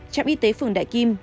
trạm y tế phường đại kim